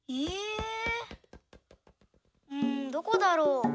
うんどこだろう？